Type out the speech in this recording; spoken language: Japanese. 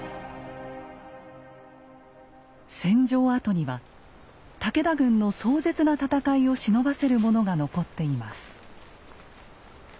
戦場跡には武田軍の壮絶な戦いをしのばせるものが残っています。